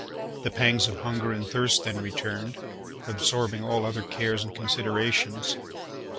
The pangs of hunger and thirst then returned, absorbing all other cares and considerations.